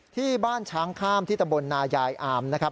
ที่บ้านช้างข้ามที่ตะบลนายายอามนะครับ